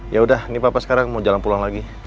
ya udah nih papa sekarang mau jalan pulang lagi